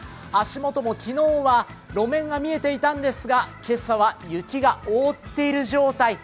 足元も昨日は路面が見えていたんですが、今朝は雪が覆っている状態。